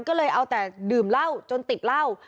ก็เลยเอาแต่ดื่มเหล้าจนติดเหล้า